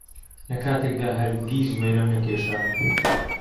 لەکاتێکدا هەرگیز وێنەم نەکێشابوو